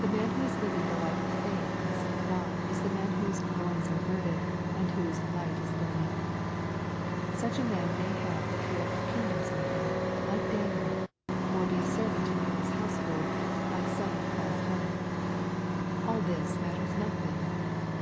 The man who is living the life of faith in the Son of God is the man whose '^ loins are girded," and whose "light is burning." Such a man may have the care of kingdoms on him, like Daniel, — or be a servant in a Nero's household, like some in Paul's time. All this matters nothing.